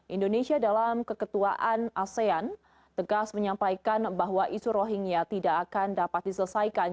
indonesia dalam keketuaan asean tegas menyampaikan bahwa isu rohingya tidak akan dapat diselesaikan